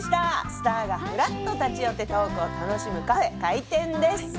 スターがふらっと立ち寄ってトークを楽しむカフェ、開店です。